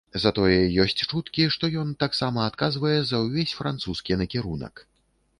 Затое ёсць чуткі, што ён таксама адказвае за ўвесь французскі накірунак.